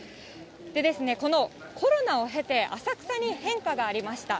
でですね、このコロナを経て、浅草に変化がありました。